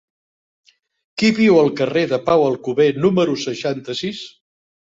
Qui viu al carrer de Pau Alcover número seixanta-sis?